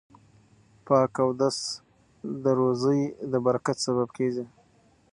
پاک اودس د روزۍ د برکت سبب کیږي.